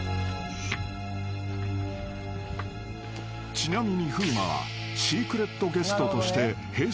［ちなみに風磨はシークレットゲストとしてＨｅｙ！